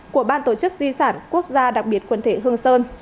của ban tổ chức di sản quốc gia đặc biệt quần thể hương sơn